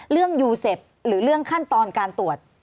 ยูเซฟหรือเรื่องขั้นตอนการตรวจ